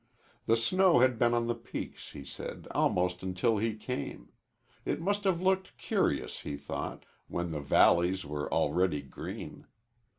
The snow had been on the peaks, he said, almost until he came. It must have looked curious, he thought, when the valleys were already green.